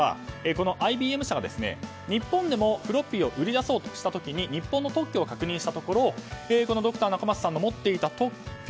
このＩＢＭ社が日本でもフロッピーを売り出そうとした時日本の特許を確認したところドクター中松さんが持っていた特許